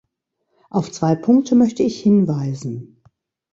Auf zwei Punkte möchte ich hinweisen.